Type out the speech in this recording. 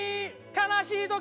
悲しい時。